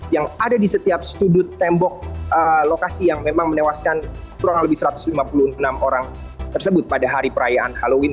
yang ada di setiap sudut tembok lokasi yang memang menewaskan kurang lebih satu ratus lima puluh enam orang tersebut pada hari perayaan halloween